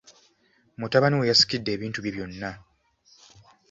Mutabani we yasikidde ebintu bye byonna.